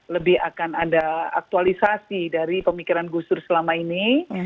lebih akan ada aktualisasi dari pemikiran gus dur selama ini